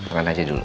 makan aja dulu yuk